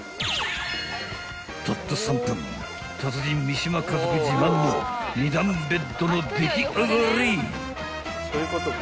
［たった３分達人三島家族自慢の２段ベッドの出来上がり］